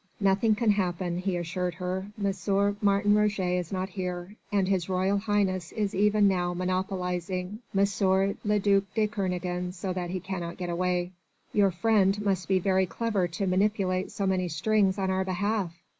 "Nothing can happen," he assured her. "M. Martin Roget is not here, and His Royal Highness is even now monopolising M. le duc de Kernogan so that he cannot get away." "Your friend must be very clever to manipulate so many strings on our behalf!"